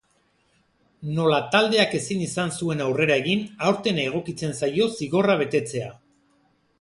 Nola taldeak ezin izan zuen aurrera egin, aurten egokitzen zaio zigorra betetzea.